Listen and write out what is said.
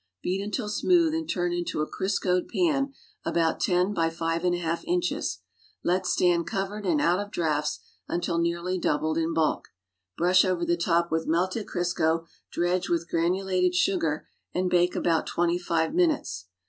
Beat until smooth and turn into a Criscoed pan about tO .x •J '2 inches; let stand covered and out of drafts until nearly doubled in bulk; brush over the top with melted Crisco, dredge with granulated .sugar and bake about twenty five minutes.